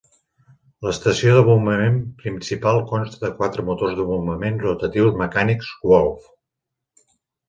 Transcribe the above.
L"estació de bombament principal consta de quatre motors de bombament rotatius mecànics Woolf.